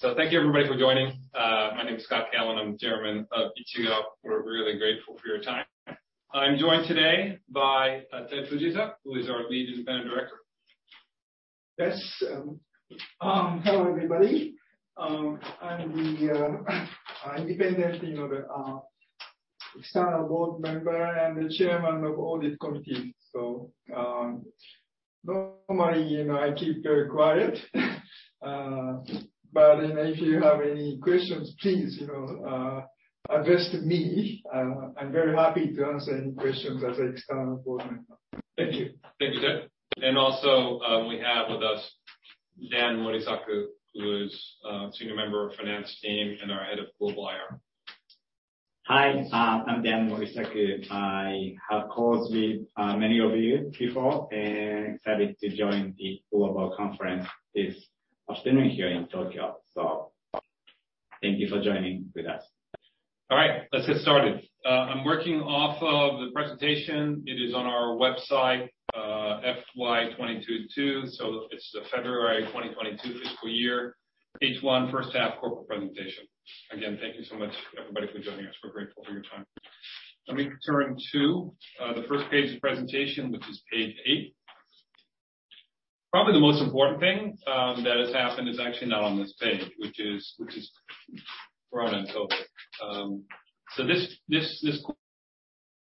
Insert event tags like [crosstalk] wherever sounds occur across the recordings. Thank you everybody for joining. My name is Scott Callon, I'm Chairman of Ichigo. We're really grateful for your time. I'm joined today by Tet Fujita, who is our Lead Independent Director. Yes. Hello, everybody. I'm the independent external board member and the Chairman of Audit Committee. Normally, I keep very quiet. If you have any questions, please address to me. I'm very happy to answer any questions as an external board member. Thank you. Thank you, Tet. Also, we have with us Dan Morisaku, who is Senior Member of Finance team and our Head of Global IR. Hi, I'm Dan Morisaku. I have called with many of you before, and excited to join the global conference this afternoon here in Tokyo. Thank you for joining with us. All right. Let's get started. I'm working off of the presentation. It is on our website, FY 2022/2, so it's the February 2022 fiscal year, H1 first half corporate presentation. Again, thank you so much everybody for joining us. We're grateful for your time. Let me turn to the first page of presentation, which is page eight. Probably the most important thing that has happened is actually not on this page, which is coronavirus. This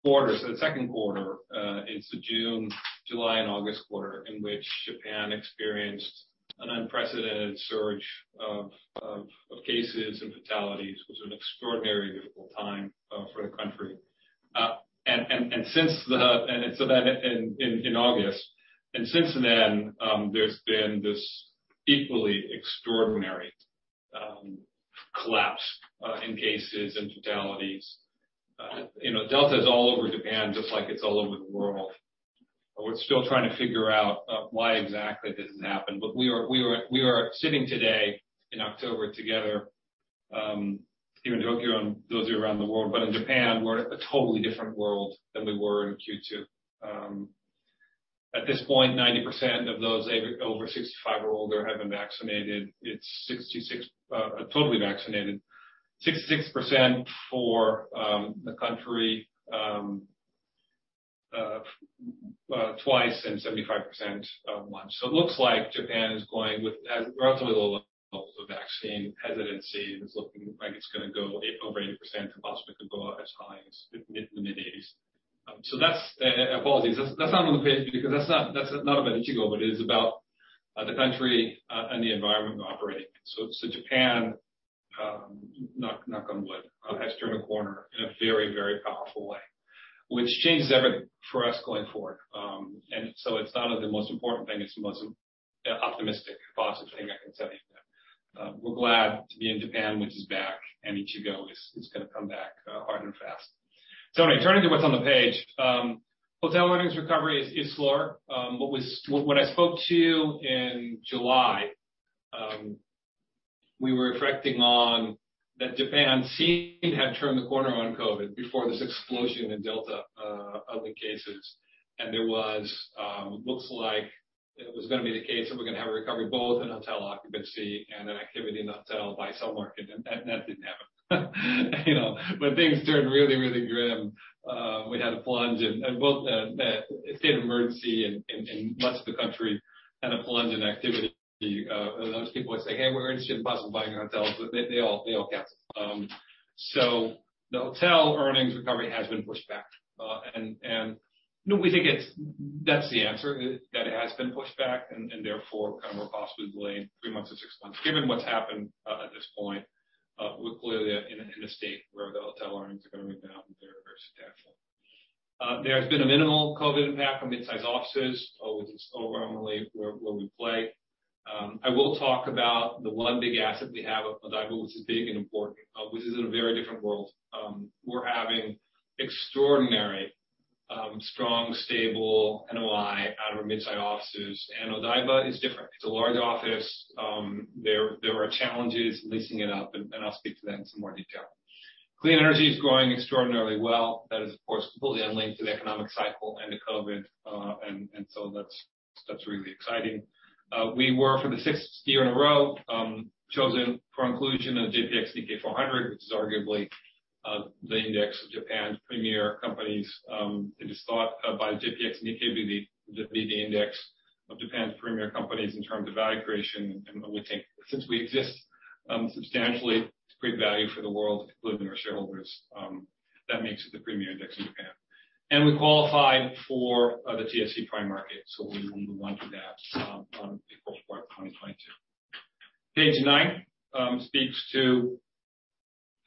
quarter, so the second quarter, it's the June, July, and August quarter in which Japan experienced an unprecedented surge of cases and fatalities. It was an extraordinary, difficult time for the country. In August. Since then, there's been this equally extraordinary collapse in cases and fatalities. Delta is all over Japan, just like it's all over the world. We're still trying to figure out why exactly this has happened. We are sitting today in October together, here in Tokyo and those of you around the world. In Japan, we're in a totally different world than we were in Q2. At this point, 90% of those over 65 or older have been vaccinated. It's totally vaccinated. 66% for the country, twice, and 75% once. It looks like Japan is going with relatively low levels of vaccine hesitancy, and it's looking like it's going to go over 80%, and possibly could go as high as the mid-80s. That's apologies, that's not on the page because that's not about Ichigo, but it is about the country and the environment we operate in. Japan, knock on wood, has turned a corner in a very, very powerful way, which changes everything for us going forward. It's not only the most important thing, it's the most optimistic, positive thing I can tell you. We're glad to be in Japan, which is back, and Ichigo is going to come back hard and fast. Turning to what's on the page. Hotel earnings recovery is slower. What I spoke to you in July, we were reflecting on that Japan seemed to have turned the corner on COVID before this explosion in Delta of the cases. It looks like it was going to be the case that we're going to have a recovery, both in hotel occupancy and in activity in the hotel buy/sell market. That didn't happen. Things turned really, really grim. We had a plunge in both the state of emergency in much of the country, and a plunge in activity. Lots of people would say, "Hey, we're interested in possibly buying hotels," but they all canceled. The hotel earnings recovery has been pushed back. We think that's the answer, that it has been pushed back, and therefore we're possibly delayed three months to six months. Given what's happened at this point, we're clearly in a state where the hotel earnings are going to rebound very substantially. There has been a minimal COVID impact on mid-sized offices, which is overwhelmingly where we play. I will talk about the one big asset we have at Odaiba, which is big and important, which is in a very different world. We're having extraordinary, strong, stable NOI out of our mid-sized offices. Odaiba is different. It's a large office. There are challenges leasing it up, and I'll speak to that in some more detail. Clean energy is growing extraordinarily well. That is, of course, completely unlinked to the economic cycle and to COVID. That's really exciting. We were, for the sixth year in a row, chosen for inclusion in the JPX-Nikkei 400, which is arguably the index of Japan's premier companies. It is thought by the JPX-Nikkei to be the index of Japan's premier companies in terms of value creation. We think since we exist substantially to create value for the world, including our shareholders, that makes it the premier index in Japan. We qualified for the TSE Prime Market, so we will move on to that on April 4th, 2022. Page nine speaks to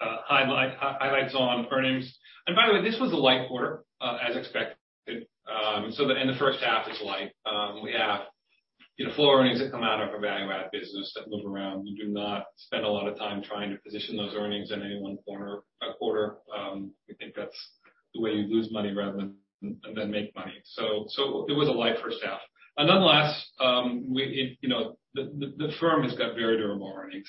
highlights on earnings. By the way, this was a light quarter, as expected. The end of the first half is light. We have full earnings that come out of our value-add business that move around. We do not spend a lot of time trying to position those earnings in any one quarter. We think that's the way you lose money rather than make money. It was a light first half. Nonetheless, the firm has got very durable earnings.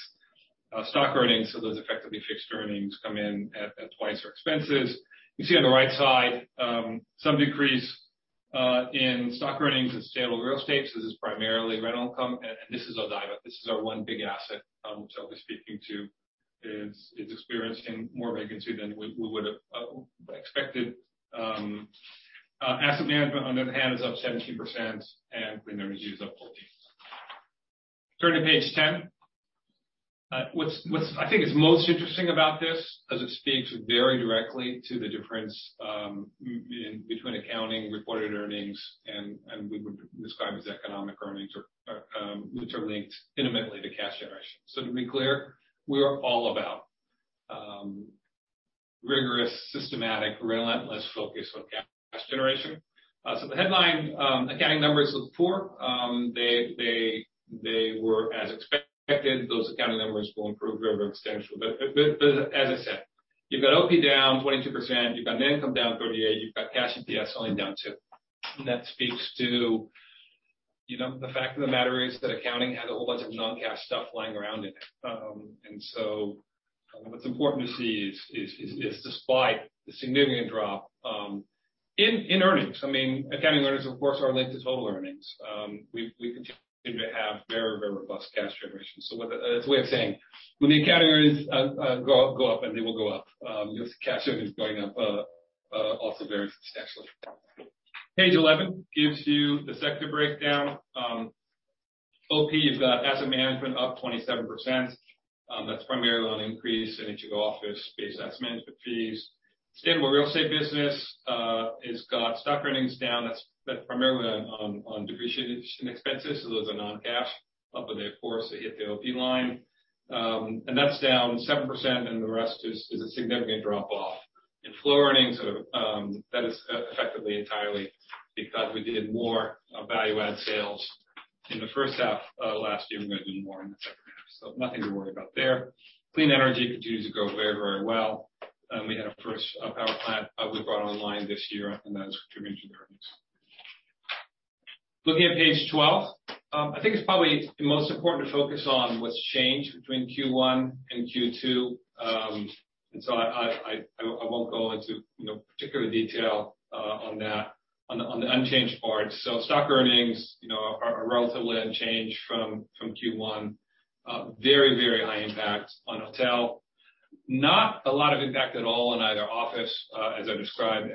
Stock earnings, so those effectively fixed earnings, come in at twice our expenses. You see on the right side, some decrease in stock earnings and stable real estate. This is primarily rental income, and this is Odaiba. This is our one big asset, which I'll be speaking to, is experiencing more vacancy than we would've expected. Asset management, on the other hand, is up 17%, and rent reviews up 14%. Turn to page 10. What I think is most interesting about this as it speaks very directly to the difference in between accounting reported earnings, and we would describe as economic earnings are literally intimately to cash generation. To be clear, we are all about rigorous, systematic, relentless focus on cash generation. The headline accounting numbers look poor. They were as expected. Those accounting numbers will improve very substantially. As I said, you've got OP down 22%, you've got net income down 38%, you've got cash EPS only down 2%. That speaks to the fact of the matter is that accounting had a whole bunch of non-cash stuff lying around in it. What's important to see is despite the significant drop in earnings, accounting earnings of course are linked to total earnings. We continue to have very, very robust cash generation. It's a way of saying when the accounting earnings go up, and they will go up, cash earnings going up also very substantially. Page 11 gives you the sector breakdown. OP has got asset management up 27%. That's primarily on increase in Ichigo office assessment fees. Stable real estate business has got stock earnings down. That's primarily on depreciation expenses. Those are non-cash. They, of course, hit the OP line. That's down 7%, and the rest is a significant drop-off. In flow earnings, that is effectively entirely because we did more value-add sales in the first half of last year. We're going to do more in the second half. Nothing to worry about there. Clean energy continues to go very, very well. We had our first power plant we brought online this year, and that has contributed to the earnings. Looking at page 12, I think it's probably most important to focus on what's changed between Q1 and Q2. I won't go into particular detail on that, on the unchanged part. Stock earnings are relatively unchanged from Q1. Very, very high impact on hotel. Not a lot of impact at all on either office, as I described.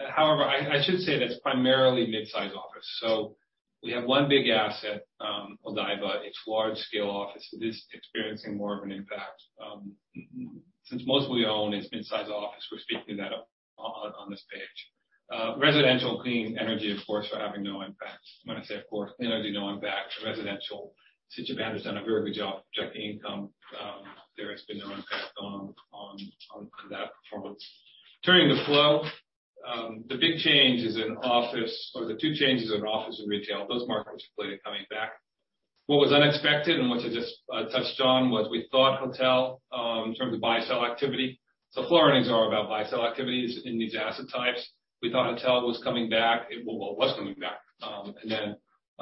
However, I should say that's primarily mid-size office. We have one big asset, Odaiba. It's large scale office. It is experiencing more of an impact. Since most we own is mid-size office, we're speaking to that on this page. Residential and clean energy, of course, are having no impact. When I say, of course, energy, no impact. Residential, since Japan has done a very good job projecting income, there has been no impact on that performance. Turning to flow, the big change is in office, or the two changes in office and retail. Those markets are clearly coming back. What was unexpected and what I just touched on was we thought hotel, in terms of buy-sell activity. Flow earnings are about buy-sell activities in these asset types. We thought hotel was coming back. It was coming back.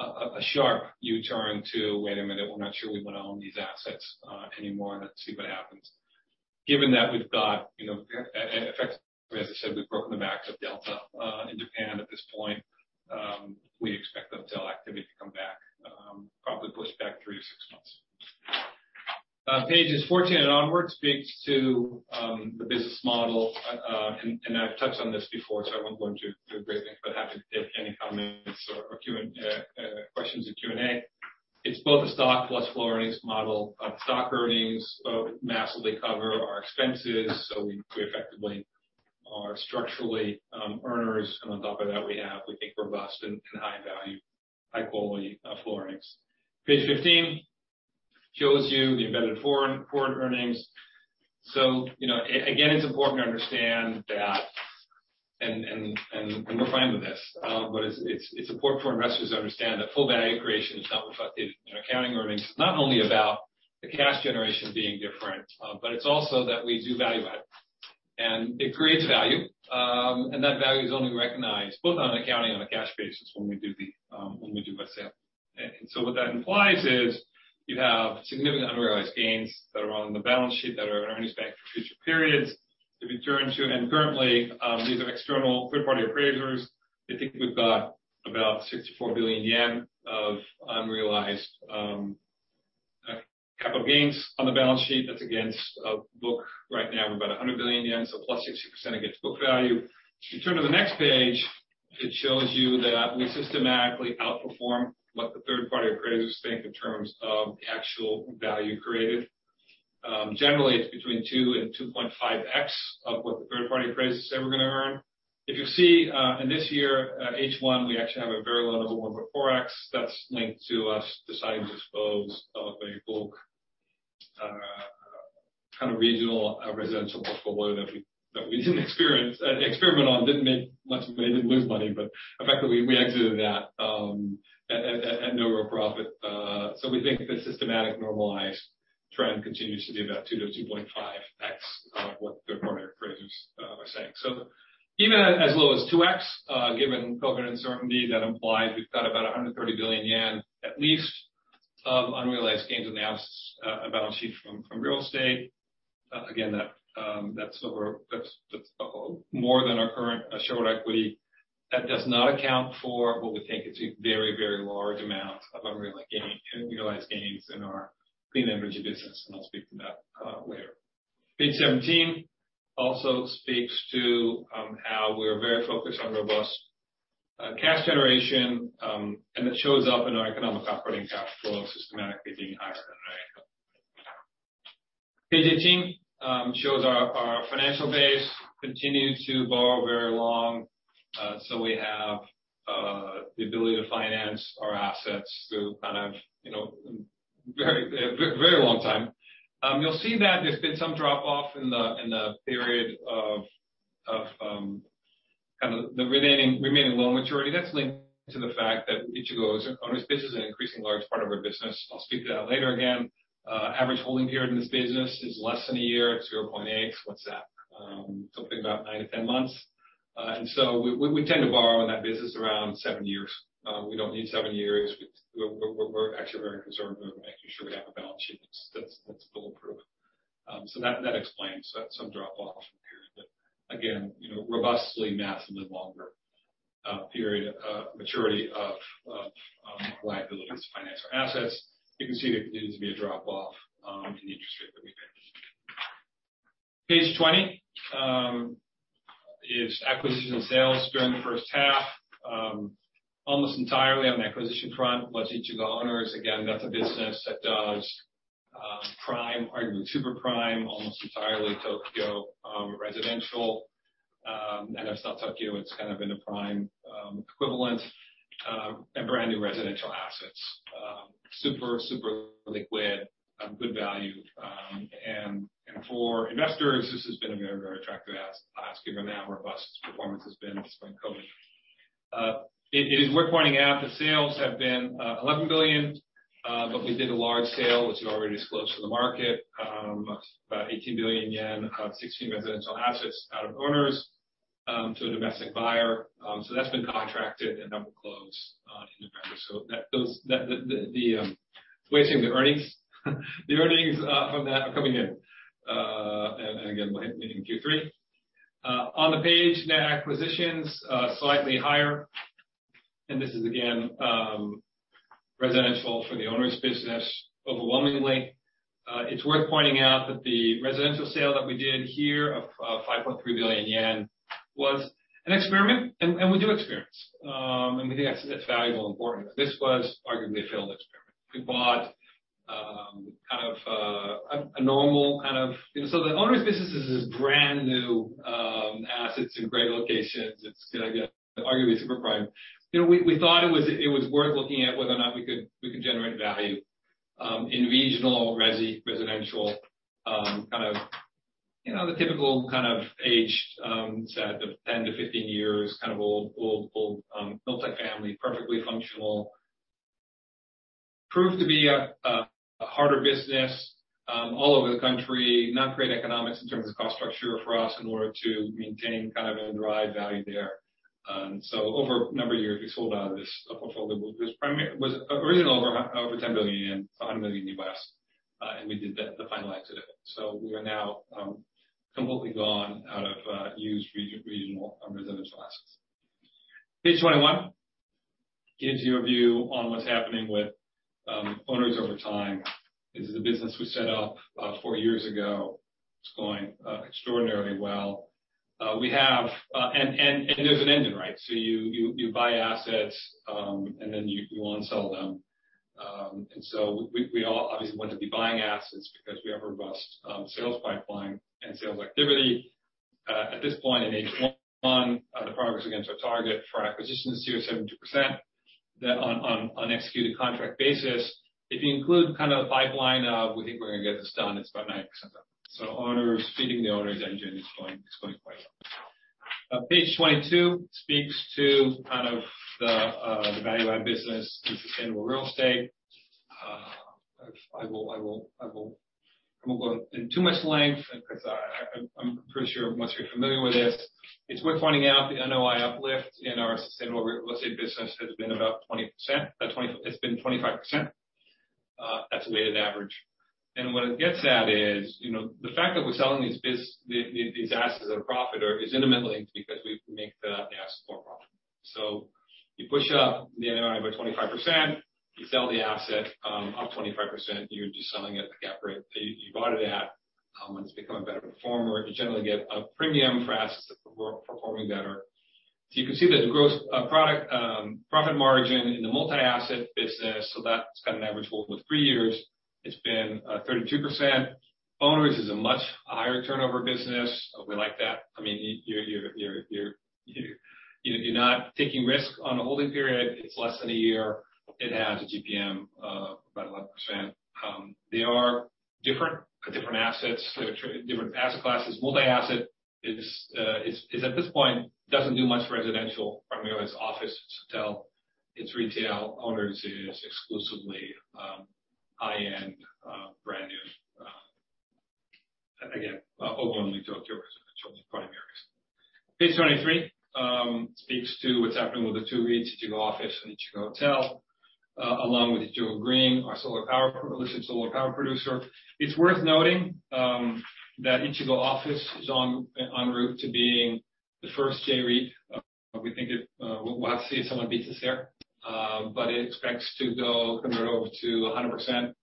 A sharp U-turn to, wait a minute, we're not sure we want to own these assets anymore. Let's see what happens. Given that it affects, as I said, we've broken the backs of the Delta variant in Japan at this point. We expect hotel activity to come back, probably pushed back 3-6 months. Pages 14 and onwards speaks to the business model, and I've touched on this before, so I won't go into great length, but happy to take any comments or questions in Q&A. It's both a stock plus flow earnings model. Stock earnings massively cover our expenses, so we effectively are structurally earners. On top of that, we have, we think, robust and high value, high-quality flow earnings. Page 15 shows you the embedded foreign earnings. Again, it's important to understand that, and we're fine with this, but it's important for investors to understand that full value creation is not reflected in our accounting earnings. It's not only about the cash generation being different, but it's also that we do value add. It creates value, and that value is only recognized both on an accounting and a cash basis when we do by sale. What that implies is you have significant unrealized gains that are on the balance sheet that are earnings back for future periods to be turned to. Currently, these are external third-party appraisers. I think we've got about 64 billion yen of unrealized capital gains on the balance sheet. That's against a book right now of about 100 billion yen, so plus 60% against book value. If you turn to the next page, it shows you that we systematically outperform what the third-party appraisers think in terms of the actual value created. Generally, it's between 2x and 2.5x of what the third-party appraisers say we're going to earn. If you see in this year, H1, we actually have a very low number, 1.4x. That's linked to us deciding to dispose of a bulk regional residential portfolio that we did an experiment on. Didn't make much money, didn't lose money, effectively we exited that at no real profit. We think the systematic normalized trend continues to be about 2x-2.5x of what third-party appraisers are saying. Even at as low as 2x, given COVID uncertainty, that implies we've got about 130 billion yen, at least, of unrealized gains on the assets balance sheet from real estate. Again, that's more than our current shareholder equity. That does not account for what we think is a very, very large amount of unrealized gains in our clean energy business, and I'll speak to that later. Page 17 also speaks to how we're very focused on robust cash generation, and it shows up in our economic operating cash flow systematically being higher than our income. Page 18 shows our financial base continued to borrow very long, so we have the ability to finance our assets through a very long time. You'll see that there's been some drop off in the period of the remaining loan maturity. That's linked to the fact that Ichigo Owners business is an increasingly large part of our business. I'll speak to that later again. Average holding period in this business is less than a year, 0.8. What's that? Something about 9-10 months. We tend to borrow in that business around seven years. We don't need seven years. We're actually very conservative in making sure we have a balance sheet that's bulletproof. That explains that. Some drop off period. Again, robustly massively longer period of maturity of liabilities to finance our assets. You can see there continues to be a drop off in the interest rate that we pay. page 20 is acquisitions and sales during the first half. Almost entirely on the acquisition front, was Ichigo Owners. Again, that's a business that does prime, arguably super prime, almost entirely Tokyo residential. If it's not Tokyo, it's kind of in the prime equivalent, and brand new residential assets. Super, super liquid, good value. For investors, this has been a very, very attractive asset class given how robust its performance has been despite COVID. It is worth pointing out the sales have been 11 billion, we did a large sale, which we already disclosed to the market, about 18 billion yen on 16 residential assets out of Owners to a domestic buyer. That's been contracted and that will close in November. Wait till the earnings. The earnings from that are coming in, and again, we're hitting Q3. On the page, net acquisitions are slightly higher. This is again residential for the Owners business overwhelmingly. It's worth pointing out that the residential sale that we did here of 5.3 billion yen was an experiment, and we do experiments. We think that's valuable and important. This was arguably a failed experiment. The Owners business is brand-new assets in great locations. It's going to be arguably super prime. We thought it was worth looking at whether or not we could generate value in regional residential, the typical kind of age, say, the 10-15 years old, multi-family, perfectly functional. Proved to be a harder business all over the country, not great economics in terms of cost structure for us in order to maintain and derive value there. Over a number of years, we sold out of this portfolio. It was originally over 10 billion yen, $100 million, and we did the final exit of it. We are now completely gone out of used regional residential assets. Page 21 gives you a view on what's happening with Owners over time. This is a business we set up four years ago. It's going extraordinarily well. There's an engine, right? You buy assets, and then you own and sell them. We obviously want to be buying assets because we have a robust sales pipeline and sales activity. At this point in H1, the progress against our target for acquisitions is 0%-70% on an executed contract basis. If you include kind of the pipeline of we think we're going to get this done, it's about 90%. Owners feeding the Owners engine is going quite well. Page 22 speaks to the value-add business in sustainable real estate. I won't go into too much length because I'm pretty sure most of you are familiar with this. It's worth pointing out the NOI uplift in our sustainable real estate business has been about 20%. It's been 25%. That's a weighted average. What it gets at is the fact that we're selling these assets at a profit is intimately linked because we make the assets more profitable. You push up the NOI by 25%, you sell the asset up 25%, you're just selling at the gap rate that you bought it at. Once it's become a better performer, you generally get a premium for assets that were performing better. You can see there the gross profit margin in the multi-asset business. That's kind of average hold with three years. It's been 32%. Owners is a much higher turnover business. We like that. You're not taking risk on a holding period. It's less than a year. It has a GPM of about 11%. They are different assets. They're different asset classes. Multi-asset at this point doesn't do much residential. Primarily, it's office, it's hotel, it's retail. Owners is exclusively high-end, brand new, again, overwhelmingly Tokyo. [inaudible] Page 23 speaks to what's happening with the two REITs, Ichigo Office and Ichigo Hotel, along with Ichigo Green, our solar power producer. It's worth noting that Ichigo Office is on route to being the first J-REIT. We'll have to see if someone beats us there. It expects to convert over to 100%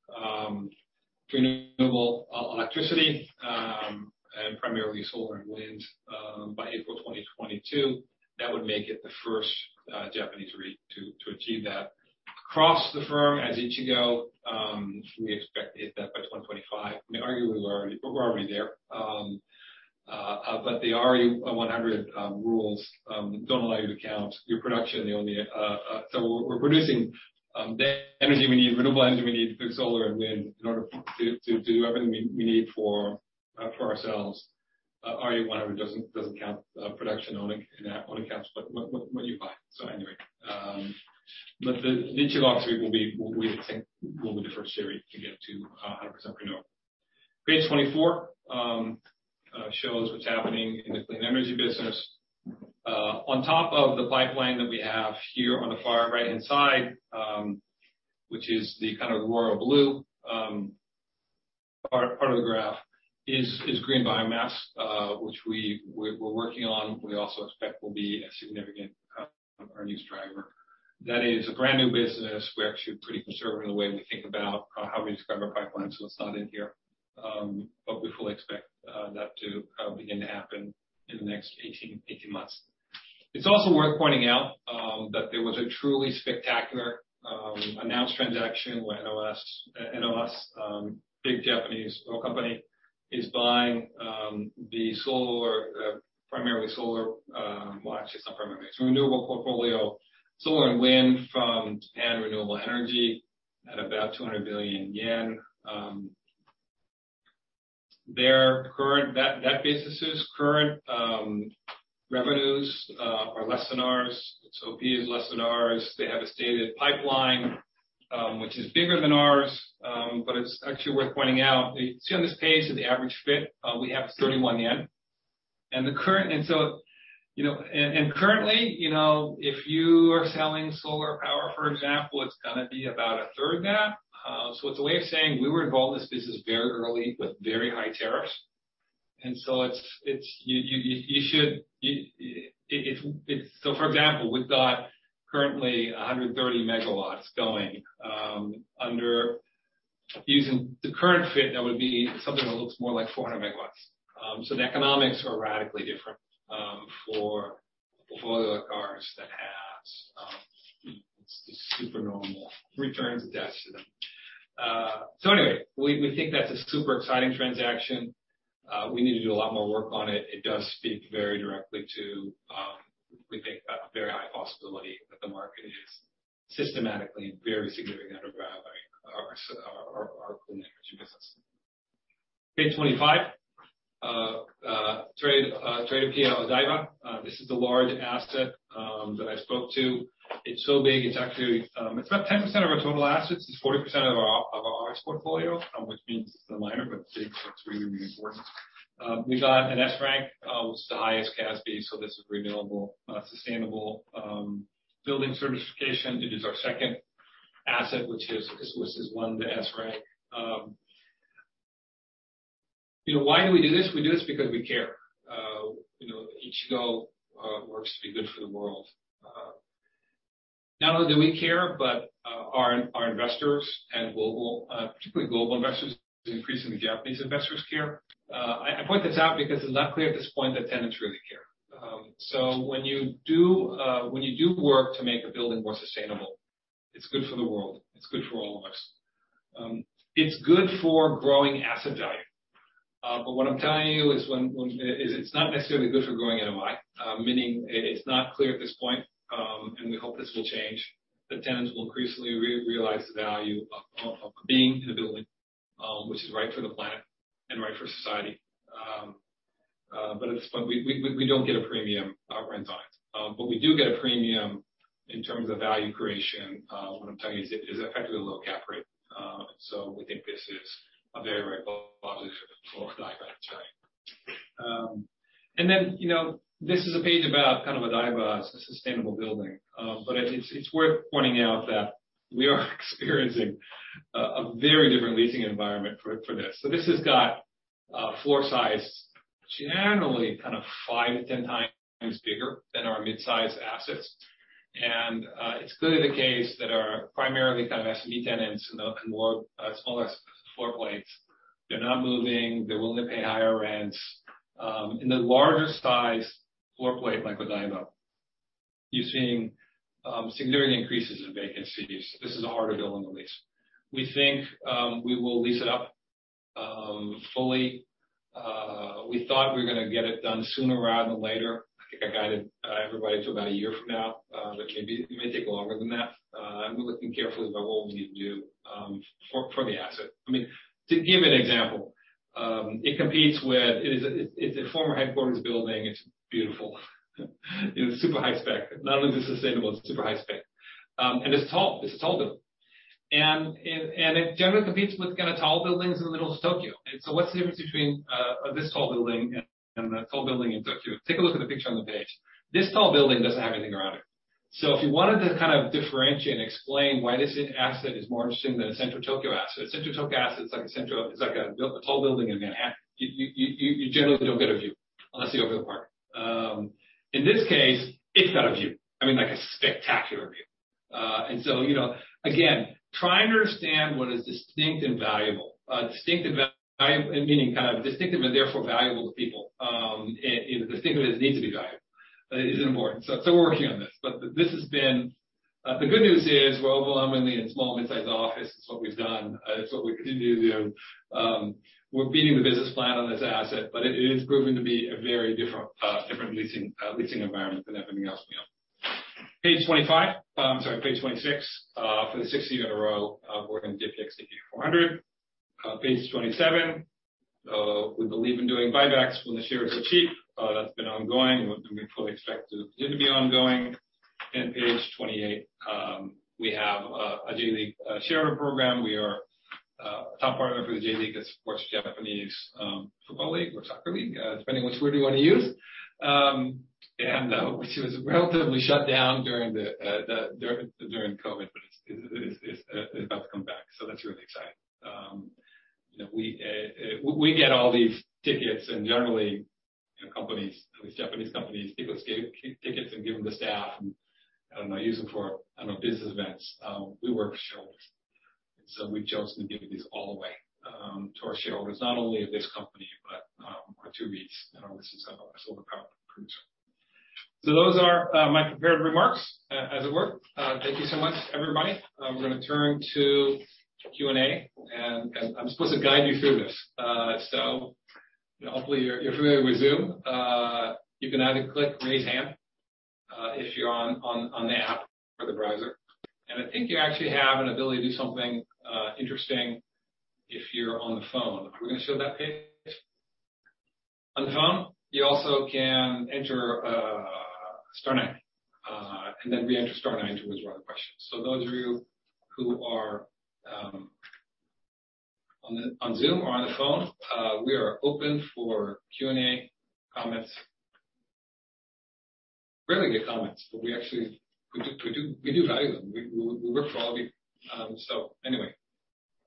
renewable electricity, and primarily solar and wind, by April 2022. That would make it the first Japanese REIT to achieve that. Across the firm as Ichigo, we expect to hit that by 2025. I mean, arguably, we're already there. The RE100 rules don't allow you to count your production. We're producing the energy we need, renewable energy we need to put solar and wind in order to do everything we need for ourselves. RE100 doesn't count production, only counts what you buy. Anyway. The Ichigo Office REIT will be, we think, will be the first REIT to get to 100% renewable. Page 24 shows what's happening in the clean energy business. On top of the pipeline that we have here on the far right-hand side, which is the kind of royal blue part of the graph, is green biomass, which we're working on. We also expect will be a significant earnings driver. That is a brand new business. We're actually pretty conservative in the way we think about how we describe our pipeline, so it's not in here. We fully expect that to begin to happen in the next 18 months. It's also worth pointing out that there was a truly spectacular announced transaction where ENEOS, big Japanese oil company, is buying the primarily solar, well, actually it's not primary. So renewable portfolio, solar and wind from Japan Renewable Energy at about 200 billion yen. That business' current revenues are less than ours, so P is less than ours. They have a stated pipeline which is bigger than ours. It's actually worth pointing out, you see on this page at the average FIT, we have 31. Currently, if you are selling solar power, for example, it's going to be about a third of that. It's a way of saying we were involved in this business very early with very high tariffs. For example, we've got currently 130 MW going under Using the current FIT that would be something that looks more like 400 MW. The economics are radically different for all the other comps that have super normal returns of debt to them. Anyway, we think that's a super exciting transaction. We need to do a lot more work on it. It does speak very directly to, we think, a very high possibility that the market is systematically very significantly undergrabbing our clean energy business. Page 25. Tradepia Odaiba. This is the large asset that I spoke to. It's so big, it's about 10% of our total assets. It's 40% of our office portfolio, which means it's a minor but big, it's really, really important. We got an S rank, which is the highest CASBEE, so this is renewable, sustainable building certification. It is our second asset which has the S rank. Why do we do this? We do this because we care. Ichigo works to be good for the world. Not only do we care, but our investors and particularly global investors, increasingly Japanese investors care. I point this out because it's not clear at this point that tenants really care. When you do work to make a building more sustainable, it's good for the world. It's good for all of us. It's good for growing asset value. What I'm telling you is it's not necessarily good for growing NOI, meaning it's not clear at this point, and we hope this will change, that tenants will increasingly realize the value of being in a building which is right for the planet and right for society. At this point, we don't get a premium rent on it. We do get a premium in terms of value creation. What I'm telling you is it effectively a low cap rate. We think this is a very, very positive for Odaiba. This is a page about Odaiba as a sustainable building. It's worth pointing out that we are experiencing a very different leasing environment for this. This has got floor size generally kind of 5x to 10x bigger than our mid-size assets. It's clearly the case that our primarily SME tenants in the smaller floor plates, they're not moving, they're willing to pay higher rents. In the larger size floor plate like Odaiba, you're seeing significant increases in vacancies. This is a harder building to lease. We think we will lease it up fully. We thought we were going to get it done sooner rather than later. I think I guided everybody to about one year from now, but it may take longer than that. We're looking carefully about what we need to do for the asset. To give you an example, It's a former headquarters building. It's beautiful. It's super high spec. Not only is it sustainable, it's super high spec. It's tall. It's a tall building. It generally competes with tall buildings in the middle of Tokyo. What's the difference between this tall building and a tall building in Tokyo? Take a look at the picture on the page. This tall building doesn't have anything around it. If you wanted to differentiate and explain why this asset is more interesting than a central Tokyo asset. A central Tokyo asset, it's like a tall building in Manhattan. You generally don't get a view unless you go to the park. In this case, it's got a view. A spectacular view. Again, trying to understand what is distinct and valuable. Distinct and valuable, meaning distinctive and therefore valuable to people. Distinct that needs to be valuable is important. We're working on this. The good news is we're overwhelmingly in small and mid-sized office. It's what we've done. It's what we continue to do. We're beating the business plan on this asset. It is proving to be a very different leasing environment than everything else we own. Page 25. I'm sorry, page 26. For the sixth year in a row, we're going to dip the JPX-Nikkei 400. Page 27. We believe in doing buybacks when the shares are cheap. That's been ongoing. We fully expect it to continue to be ongoing. Page 28, we have a J.League shareholder program. We are a top partner for the J.League. That's sports, Japanese football league or soccer league, depending which word you want to use. Which was relatively shut down during COVID. It's about to come back. That's really exciting. We get all these tickets and generally, these Japanese companies take those tickets and give them to staff. I don't know, use them for business events. We work for shareholders. We've chosen to give these all away to our shareholders, not only of this company but our two REITs and our recent solar power producer. Those are my prepared remarks as it were. Thank you so much, everybody. We're going to turn to Q&A, and I'm supposed to guide you through this. Hopefully you're familiar with Zoom. You can either click Raise Hand if you're on the app or the browser. I think you actually have an ability to do something interesting if you're on the phone. We're going to show that page. On the phone, you also can enter star nine, and then re-enter star nine to raise your other questions. Those of you who are on Zoom or on the phone, we are open for Q&A, comments. Rarely get comments, but we do value them. We work for all of you. Anyway,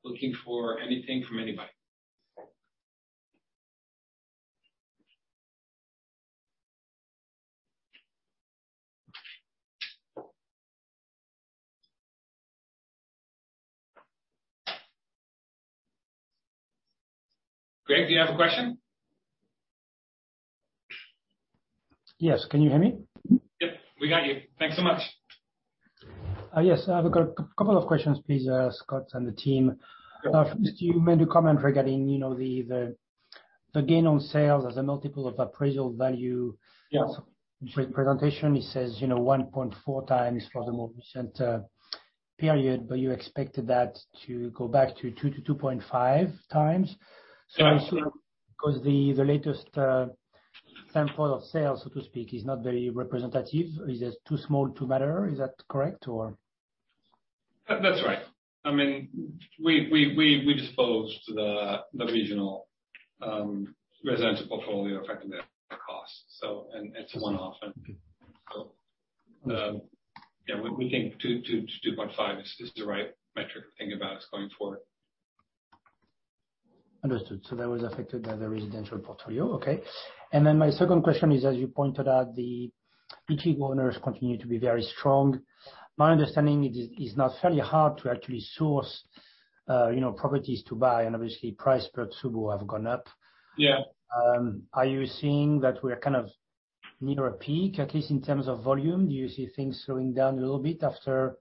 looking for anything from anybody. Greg, do you have a question? Yes. Can you hear me? Yep. We got you. Thanks so much. Yes. I've got a couple of questions, please, Scott and the team. Go for it. First, you made a comment regarding the gain on sales as a multiple of appraisal value. Yeah. Presentation, it says 1.4x for the most recent period, but you expected that to go back to 2x-2.5x. Yeah. Because the latest sample of sales, so to speak, is not very representative. Is it too small to matter? Is that correct? That's right. We disposed the regional residential portfolio, effectively at cost. It's a one-off. We think 2x-2.5x is the right metric to think about us going forward. Understood. That was affected by the residential portfolio. Okay. My second question is, as you pointed out, the Ichigo Owners continue to be very strong. My understanding is it's now fairly hard to actually source properties to buy, and obviously price per tsubo have gone up. Yeah. Are you seeing that we are kind of near a peak, at least in terms of volume? Do you see things slowing down a little bit after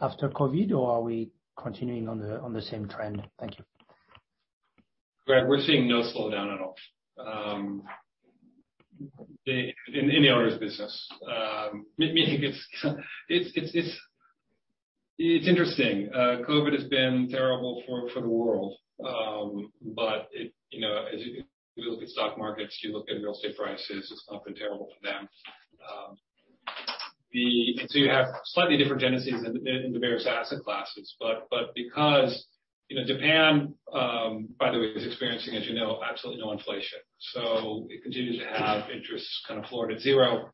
COVID, or are we continuing on the same trend? Thank you. Greg, we're seeing no slowdown at all in the owners business. It's interesting. COVID has been terrible for the world. If you look at stock markets, you look at real estate prices, it's not been terrible for them. You have slightly different genesis in the various asset classes. Because Japan, by the way, is experiencing, as you know, absolutely no inflation. It continues to have interests kind of floored at zero.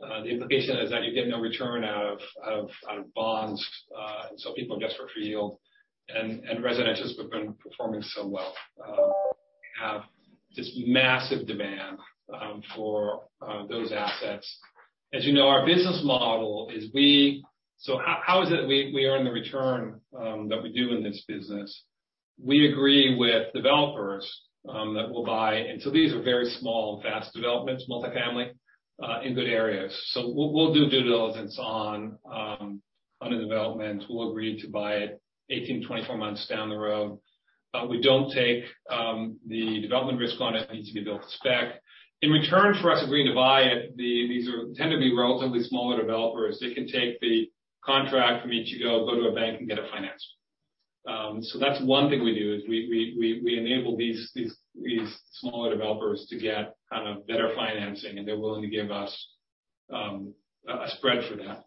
The implication is that you get no return out of bonds. People are desperate for yield, and residential has been performing so well. We have this massive demand for those assets. As you know, our business model is, how is it we earn the return that we do in this business? We agree with developers that we'll buy. These are very small and fast developments, multi-family, in good areas. We'll do due diligence on a development. We'll agree to buy it 18 to 24 months down the road. We don't take the development risk on it. It needs to be built to spec. In return for us agreeing to buy it, these tend to be relatively smaller developers. They can take the contract from Ichigo, go to a bank, and get it financed. That's one thing we do, is we enable these smaller developers to get better financing, and they're willing to give us a spread for that.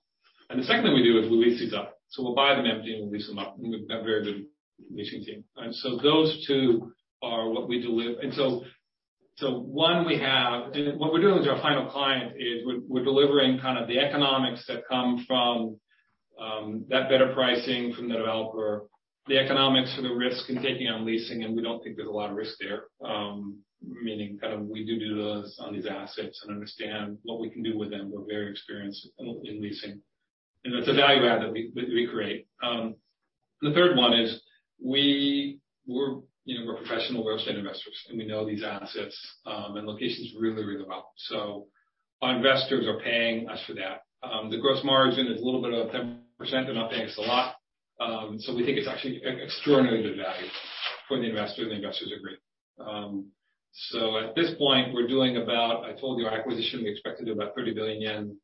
The second thing we do is we lease these up. We'll buy them empty, and we lease them up. We've got a very good leasing team. Those two are what we deliver. What we're doing with our final client is we're delivering the economics that come from that better pricing from the developer, the economics for the risk in taking on leasing, and we don't think there's a lot of risk there. Meaning, we do due diligence on these assets and understand what we can do with them. We're very experienced in leasing. That's a value add that we create. The third one is we're professional real estate investors, and we know these assets, and locations really well. Our investors are paying us for that. The gross margin is a little bit about 10%. They're not paying us a lot. We think it's actually extraordinarily good value for the investor, and the investors agree. At this point, we're doing about, I told you, our acquisition, we expect to do about 30 billion yen.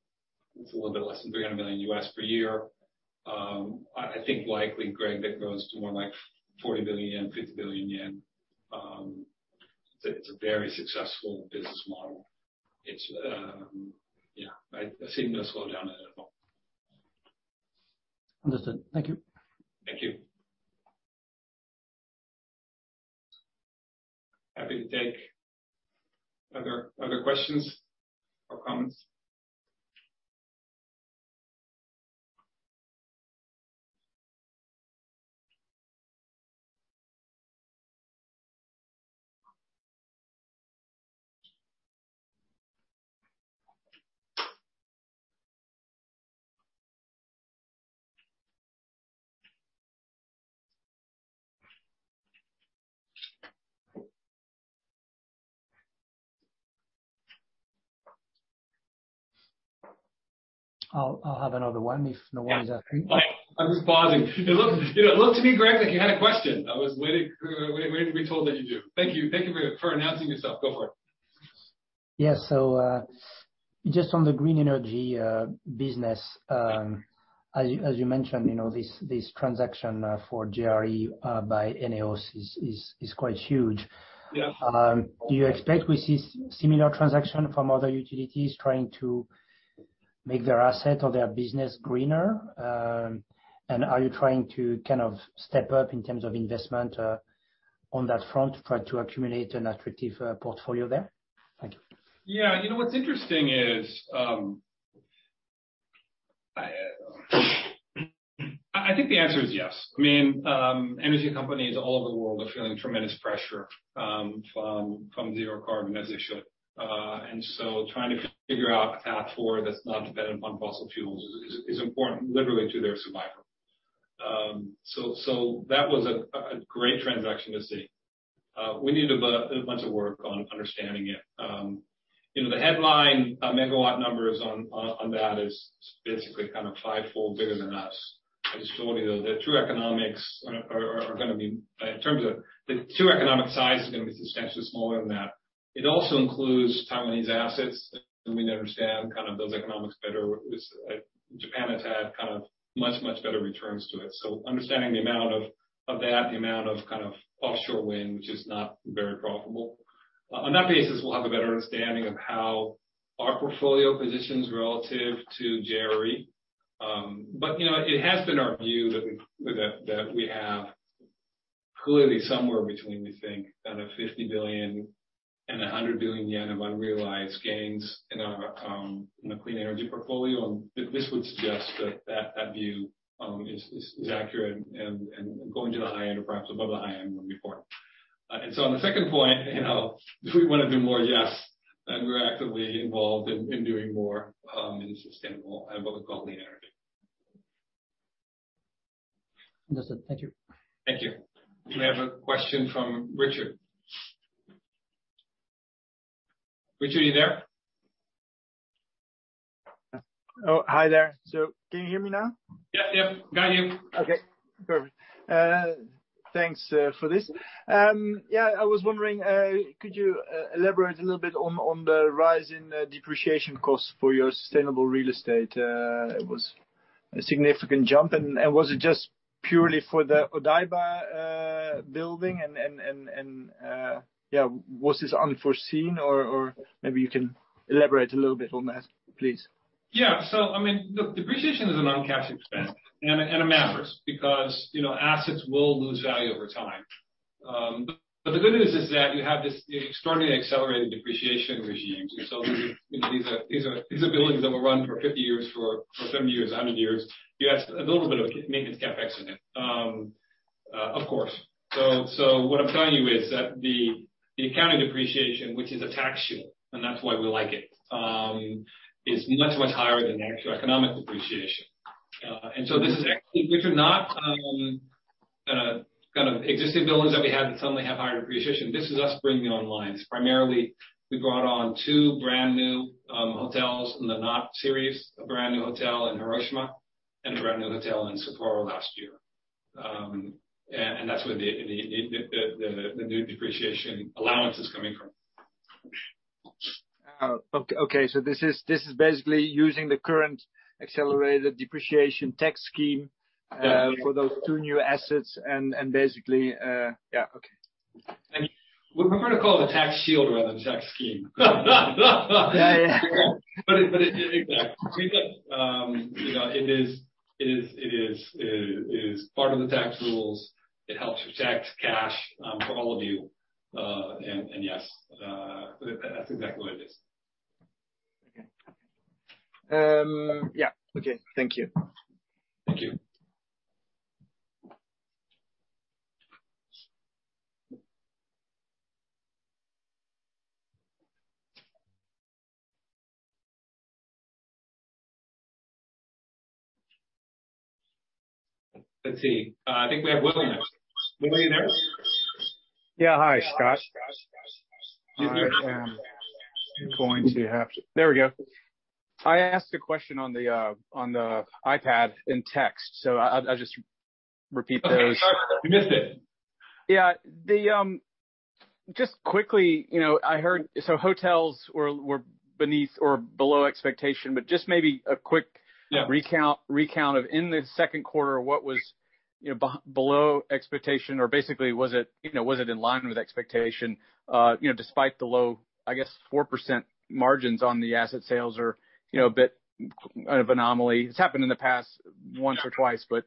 It's a little bit less than $300 million per year. I think likely, Greg, that grows to more like 40 billion yen, 50 billion yen. It's a very successful business model. I seem to have slowed down. Understood. Thank you. Thank you. Happy to take other questions or comments. I'll have another one if no one's asking. Yeah. I am just pausing. It looked to me, Greg, like you had a question. I was waiting to be told that you do. Thank you for announcing yourself. Go for it. Yeah. Just on the green energy business. As you mentioned, this transaction for JRE by ENEOS is quite huge. Yeah. Do you expect we see similar transaction from other utilities trying to make their asset or their business greener? Are you trying to step up in terms of investment, on that front, try to accumulate an attractive portfolio there? Thank you. Yeah. What's interesting is I think the answer is yes. Energy companies all over the world are feeling tremendous pressure from zero carbon, as they should. Trying to figure out a path forward that's not dependent on fossil fuels is important literally to their survival. That was a great transaction to see. We need to do a bunch of work on understanding it. The headline megawatt numbers on that is basically fivefold bigger than us. The story, though, the true economic size is going to be substantially smaller than that. It also includes Taiwanese assets, we understand those economics better. Japan has had much better returns to it. Understanding the amount of that, the amount of offshore wind, which is not very profitable. On that basis, we'll have a better understanding of how our portfolio positions relative to JRE. It has been our view that we have clearly somewhere between, we think, 50 billion and 100 billion yen of unrealized gains in our clean energy portfolio. This would suggest that that view is accurate and going to the high end or perhaps above the high end going forward. On the second point, do we want to do more? Yes. We're actively involved in doing more in sustainable and what we call clean energy. Understood. Thank you. Thank you. Do we have a question from Richard? Richard, are you there? Oh, hi there. Can you hear me now? Yep. Got you. Okay. Perfect. Thanks for this. I was wondering, could you elaborate a little bit on the rise in depreciation costs for your sustainable real estate? It was a significant jump. Was it just purely for the Odaiba building and was this unforeseen? Maybe you can elaborate a little bit on that, please. Yeah. Look, depreciation is a non-cash expense. It matters because assets will lose value over time. The good news is that you have this extraordinary accelerated depreciation regimes. These are buildings that will run for 50 years, for 70 years, 100 years. You have a little bit of maintenance CapEx in it, of course. What I'm telling you is that the accounting depreciation, which is a tax shield, and that's why we like it, is much higher than the actual economic depreciation. These are not existing buildings that we had that suddenly have higher depreciation. This is us bringing online. It's primarily we brought on two brand-new hotels in THE KNOT series, a brand-new hotel in Hiroshima, and a brand-new hotel in Sapporo last year. That's where the new depreciation allowance is coming from. Okay. This is basically using the current accelerated depreciation tax scheme for those two new assets and basically Yeah. Okay. We prefer to call it a tax shield rather than tax scheme. Yeah. Exactly. It is part of the tax rules. It helps protect cash, for all of you. Yes, that's exactly what it is. Okay. Yeah. Okay. Thank you. Thank you. Let's see. I think we have Will next. Will, are you there? Yeah. Hi, Scott. There we go. I asked a question on the iPad in text. I'll just repeat those. Okay. Sorry, we missed it. Yeah. Just quickly, I heard hotels were beneath or below expectation. Yeah Just quick recount of in the second quarter, what was below expectation or basically was it in line with expectation? Despite the low, I guess 4% margins on the asset sales are a bit of anomaly. It's happened in the past once or twice. Yeah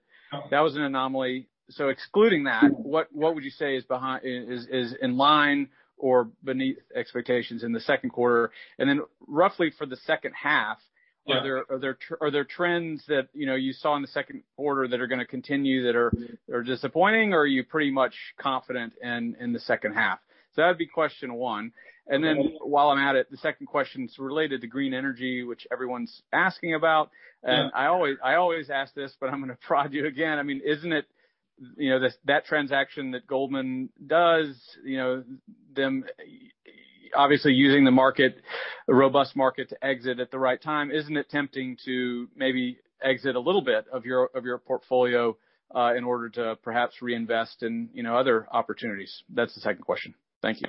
That was an anomaly. Excluding that, what would you say is in line or beneath expectations in the second quarter? Roughly for the second half- Yeah. Are there trends that you saw in the second quarter that are going to continue that are disappointing, or are you pretty much confident in the second half? That'd be question one. While I'm at it, the second question's related to green energy, which everyone's asking about. Yeah. I always ask this, but I'm going to prod you again. Isn't it that transaction that Goldman does, them obviously using the robust market to exit at the right time, isn't it tempting to maybe exit a little bit of your portfolio, in order to perhaps reinvest in other opportunities? That's the second question. Thank you.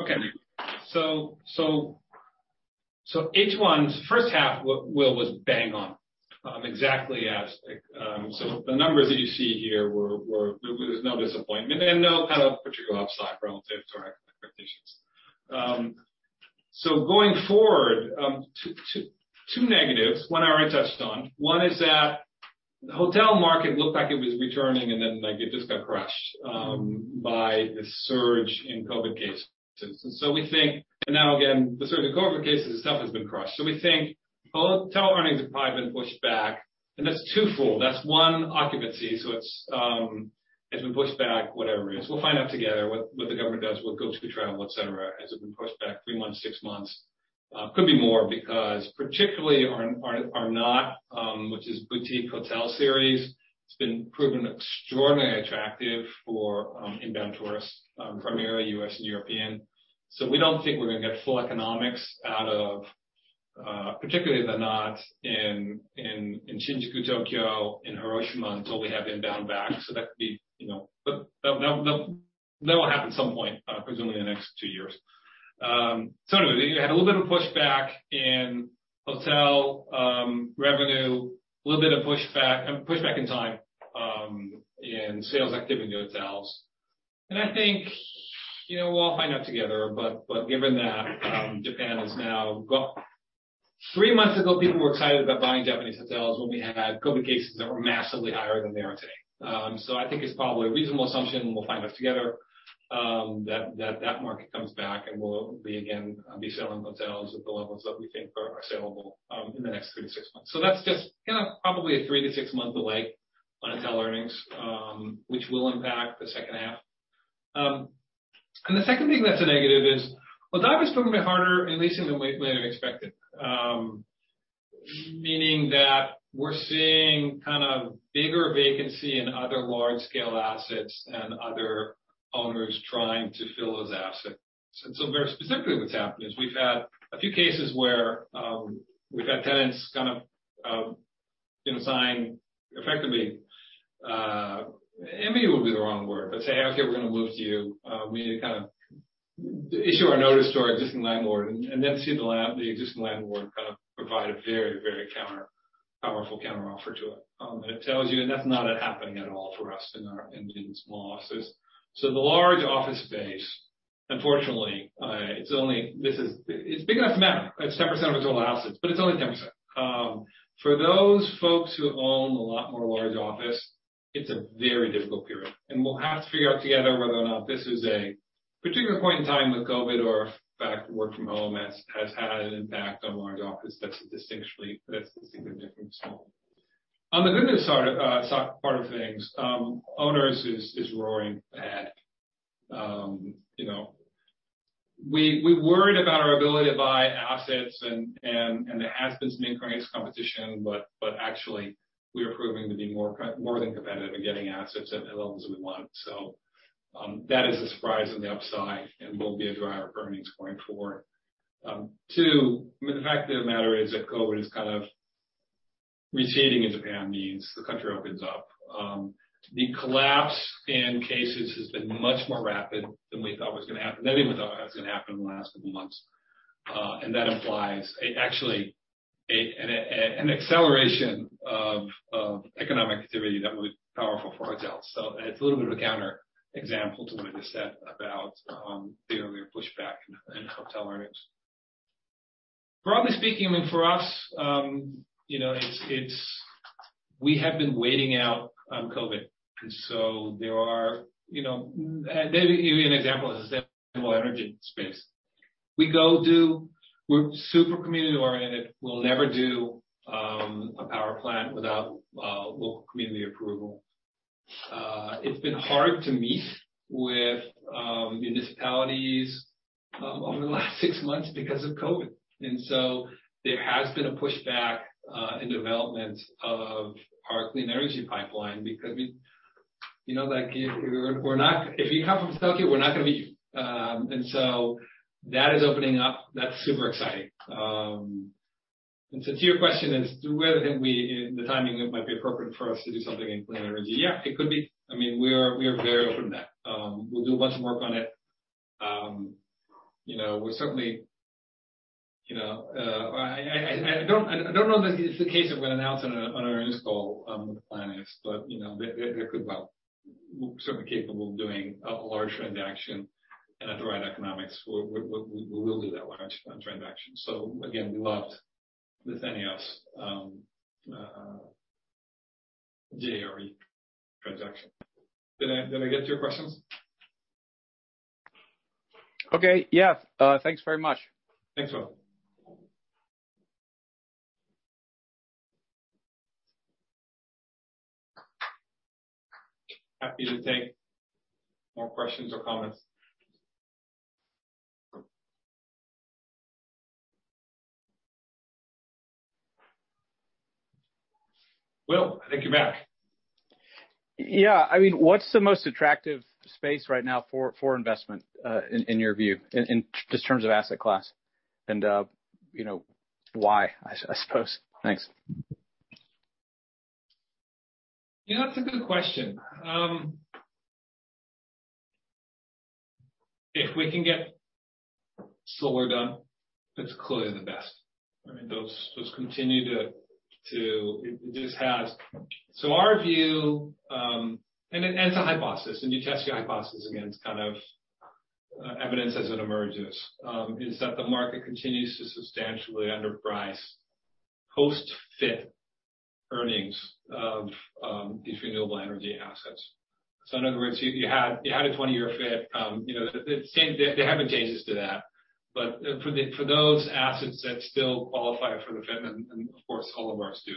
H1's first half, Will, was bang on. The numbers that you see here, there was no disappointment and no particular upside relative to our expectations. Going forward, two negatives. One I already touched on. One is that the hotel market looked like it was returning, and then it just got crushed by the surge in COVID cases. Now again, the surge of COVID cases itself has been crushed. We think hotel earnings have probably been pushed back, and that's twofold. That's one, occupancy. It's been pushed back whatever it is. We'll find out together what the government does with Go To Travel, et cetera. Has it been pushed back three months, six months? Could be more because particularly our KNOT, which is boutique hotel series, it's been proven extraordinarily attractive for inbound tourists, primarily U.S. and European. We don't think we're going to get full economics out of particularly THE KNOT in Shinjuku, Tokyo and Hiroshima until we have inbound back. That will happen at some point, presumably in the next twoyears. Anyway, you had a little bit of pushback in hotel revenue, a little bit of pushback in time in sales activity at hotels. I think we'll all find out together, but given that Japan has now got three months ago, people were excited about buying Japanese hotels when we had COVID cases that were massively higher than they are today. I think it's probably a reasonable assumption, we'll find out together, that that market comes back, and we'll again be selling hotels at the levels that we think are saleable in the next three to six months. That's just probably a three to six month delay on hotel earnings, which will impact the second half. The second thing that's a negative is, well, Odaiba is proving a bit harder, at least in the way than expected. Meaning that we're seeing bigger vacancy in other large-scale assets and other owners trying to fill those assets. Very specifically, what's happening is we've had a few cases where, we've had tenants sign effectively, maybe would be the wrong word, but say, "Okay, we're going to move to you. We need to issue our notice to our existing landlord." See the existing landlord provide a very powerful counteroffer to it. It tells you, and that's not happening at all for us in these small offices. The large office space, unfortunately, it's big enough to matter. It's 10% of its total assets, but it's only 10%. For those folks who own a lot more large office, it's a very difficult period. We'll have to figure out together whether or not this is a particular point in time with COVID or if the fact work from home has had an impact on large office that's distinctly different from small. On the good news part of things, Owners is roaring back. We worried about our ability to buy assets and there has been increased competition, but actually, we are proving to be more than competitive in getting assets at the levels we want. That is a surprise on the upside and will be a driver of earnings going forward. Two, the fact of the matter is that COVID is kind of receding in Japan means the country opens up. The collapse in cases has been much more rapid than we thought was going to happen. Nobody would thought that was going to happen in the last couple months. That implies actually an acceleration of economic activity that will be powerful for hotels. It's a little bit of a counterexample to what I just said about the earlier pushback in hotel earnings. Broadly speaking, for us, we have been waiting out on COVID. I'll give you an example of sustainable energy space. We're super community-oriented. We'll never do a power plant without local community approval. It's been hard to meet with municipalities over the last six months because of COVID. There has been a pushback in development of our clean energy pipeline because if you come from Tokyo, we're not going to meet you. That is opening up. That's super exciting. To your question is, whether the timing might be appropriate for us to do something in clean energy. Yeah, it could be. We are very open to that. We'll do a bunch of work on it. I don't know if it's the case if we're going to announce on our earnings call what the plan is, but we're certainly capable of doing a large transaction, and at the right economics, we will do that large transaction. Again, we loved the ENEOS JRE transaction. Did I get to your questions? Okay. Yeah. Thanks very much. Thanks, Will. Happy to take more questions or comments. Will, I think you're back. Yeah. What's the most attractive space right now for investment, in your view, just in terms of asset class? Why, I suppose. Thanks. That's a good question. If we can get solar done, that's clearly the best. Our view, and it's a hypothesis, and you test your hypothesis against kind of evidence as it emerges, is that the market continues to substantially underprice post-FIT earnings of these renewable energy assets. In other words, you had a 20-year FIT. There have been changes to that. For those assets that still qualify for the FIT, and of course, all of ours do.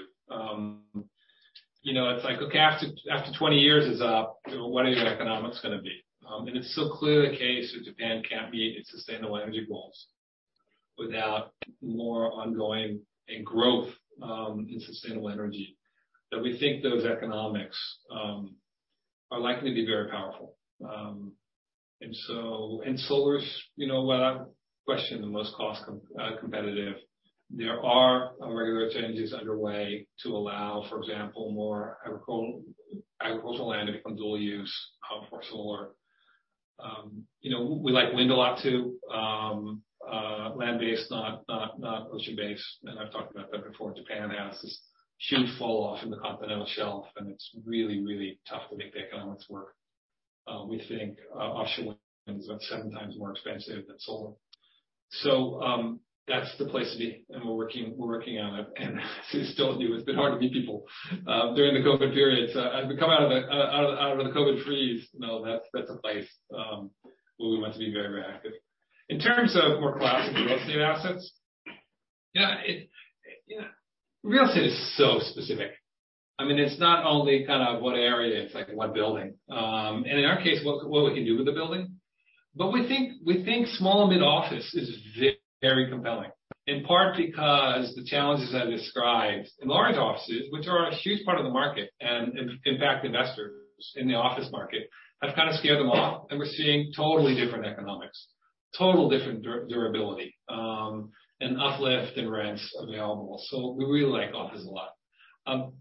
It's like, okay, after 20 years is up, what are your economics going to be? It's so clearly the case that Japan can't meet its sustainable energy goals without more ongoing and growth in sustainable energy, that we think those economics are likely to be very powerful. Solar is, without question, the most cost competitive. There are regulatory changes underway to allow, for example, more agricultural land to become dual-use for solar. We like wind a lot, too. Land-based, not ocean-based. I've talked about that before. Japan has this huge fall-off in the continental shelf. It's really tough to make the economics work. We think offshore wind is about 7x more expensive than solar. That's the place to be. We're working on it. As I told you, it's been hard to meet people during the COVID period. As we come out of the COVID freeze, that's a place where we want to be very active. In terms of more classic real estate assets. Yeah. Real estate is so specific. It's not only what area, it's like what building. In our case, what we can do with the building. We think small and mid office is very compelling, in part because the challenges I described in large offices, which are a huge part of the market and impact investors in the office market, have kind of scared them off, and we're seeing totally different economics, total different durability, and uplift in rents available. We really like offices a lot.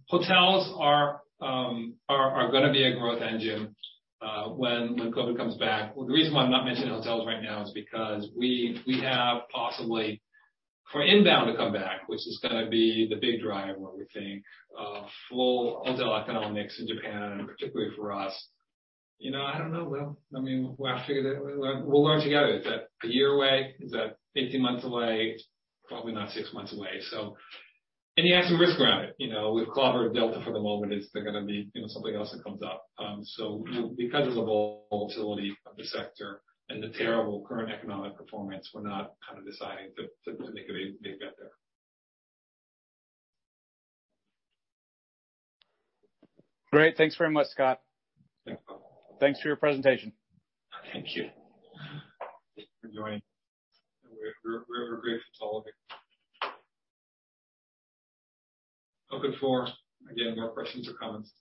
Hotels are going to be a growth engine when COVID comes back. The reason why I'm not mentioning hotels right now is because we have possibly for inbound to come back, which is going to be the big driver, we think, of full hotel economics in Japan, and particularly for us. I don't know, Will. We'll have to figure that out. We'll learn together. Is that a year away? Is that 18 months away? It's probably not six months away. You have some risk around it. With Omicron and Delta for the moment, it's going to be something else that comes up. Because of the volatility of the sector and the terrible current economic performance, we're not deciding to make a big bet there. Great. Thanks very much, Scott. Thanks, Will. Thanks for your presentation. Thank you. Thanks for joining. We're grateful to all of you. Looking for, again, more questions or comments.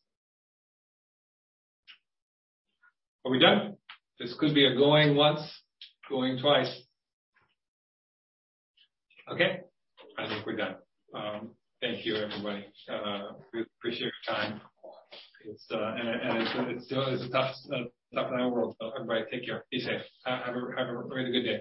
Are we done? This could be a going once, going twice. Okay, I think we're done. Thank you, everybody. We appreciate your time. It's a tough new world. Everybody take care. Be safe. Have a really good day.